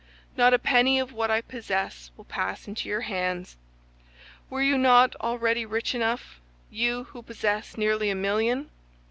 Not a penny of what I possess will pass into your hands. Were you not already rich enough—you who possess nearly a million?